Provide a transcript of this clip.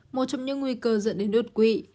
một trong những nguy cơ dẫn đến đột quỵ